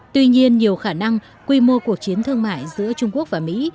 tuy nhiên nhiều khả năng quy mô cuộc chiến thương mại giữa trung quốc và mỹ